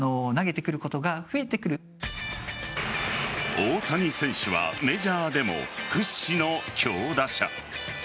大谷選手はメジャーでも屈指の強打者。